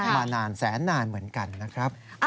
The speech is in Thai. มานานแสนนานเหมือนกันนะครับ